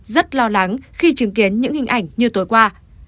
rất lo lắng khi chứng kiến những hình ảnh như tối qua